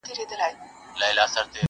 د کورونو دروازې تړلې دي او فضا سړه ښکاري،